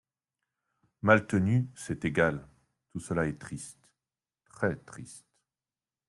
Maltenu C’est égal… tout cela est triste… très triste…